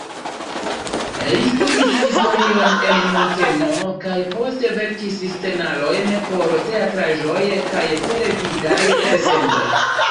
Li studis historion en Munkeno kaj poste verkis scenarojn por teatraĵoj kaj televidaj elsendoj.